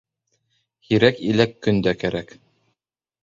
Һирәк иләк көндә кәрәк